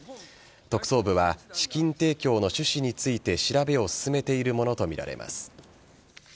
特捜部は資金提供の趣旨について調べを進めているものとみられます。